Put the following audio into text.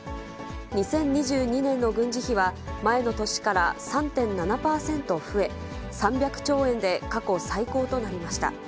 ２０２２年の軍事費は、前の年から３．７％増え、３００兆円で過去最高となりました。